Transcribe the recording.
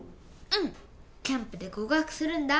うんキャンプで告白するんだ